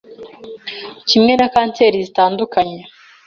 kimwe na kanseri zitandukanye